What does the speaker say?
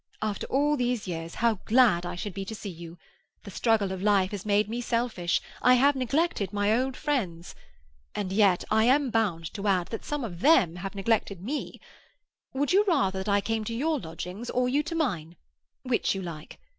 After all these years, how glad I should be to see you! The struggle of life has made me selfish; I have neglected my old friends. And yet I am bound to add that some of them have neglected me. Would you rather that I came to your lodgings or you to mine? Which you like.